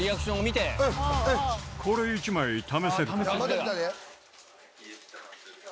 これ１枚、試せるかな？